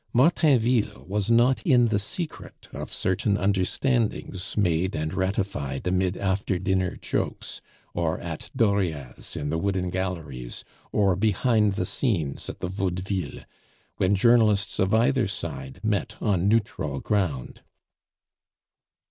Martainville was not in the secret of certain understandings made and ratified amid after dinner jokes, or at Dauriat's in the Wooden Galleries, or behind the scenes at the Vaudeville, when journalists of either side met on neutral ground.